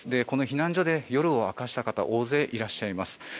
この避難所で夜を明かした方大勢いらっしゃいます。